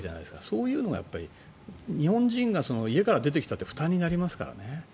そういうのは、日本人が家から出てきたって負担になりますからね。